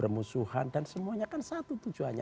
kemusuhan dan semuanya kan satu tujuannya